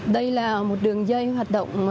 đây là một đường dây hoạt động